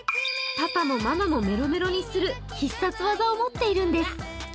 パパもママもメロメロにする必殺技を持っているんです。